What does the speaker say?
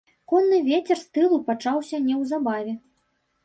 Конны вецер з тылу пачаўся неўзабаве.